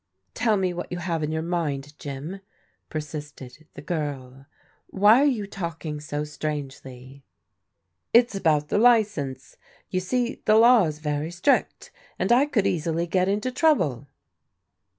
"Tell me what you have in your mind, Jim?" per sisted the girl. " Why are you talking so strangely ?"" It's about the license ; you see the law is very strict, and I could easily get into trouble."